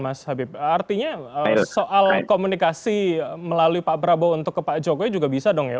mas habib artinya soal komunikasi melalui pak prabowo untuk ke pak jokowi juga bisa dong ya